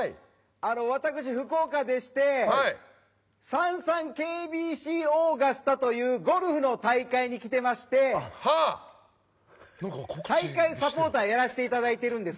私、福岡でしてＳａｎｓａｎＫＢＣオーガスタというゴルフの大会に来てまして大会サポーターをやらせていただいてるんです。